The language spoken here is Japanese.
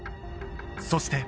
そして